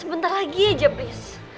sebentar lagi aja please